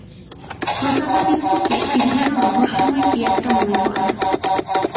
প্রতাপাদিত্যকে তিনি যেন রহস্যময় কী একটা মনে করেন।